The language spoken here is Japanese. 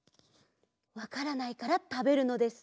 わからないからたべるのです。